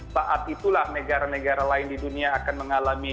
saat itulah negara negara lain di dunia akan mengalami